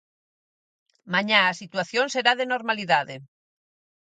Mañá a situación será de normalidade.